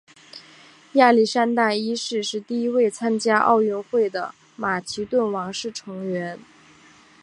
亚历山大一世是第一位参加奥运会的马其顿王室成员。